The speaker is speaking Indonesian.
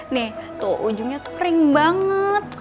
nih tuh ujungnya tuh kering banget